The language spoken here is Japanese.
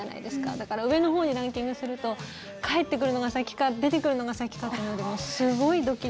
だから上のほうにランキングすると帰ってくるのが先か出てくるのが先かっていうので複雑ですね。